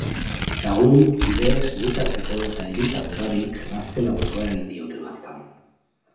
Lagun, kide, senitarteko eta hiritar ugarik azken agurra egin diote bertan.